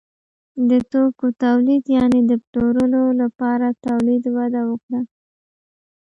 د توکو تولید یعنې د پلورلو لپاره تولید وده وکړه.